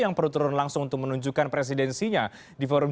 yang perlu turun langsung untuk menunjukkan presidensinya di forum g dua puluh